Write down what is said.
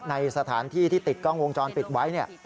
ในสถานที่ที่ติดกล้องวงจรปิดไว้เนี่ย